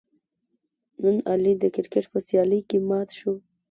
نن علي د کرکیټ په سیالۍ کې مات شو.